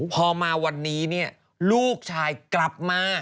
พอมาวันนี้ลูกชายกลับมา